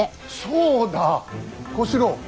そうだ小四郎。